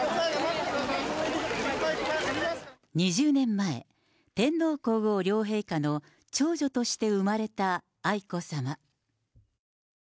２０年前、天皇皇后両陛下の長女として生まれた愛子さま。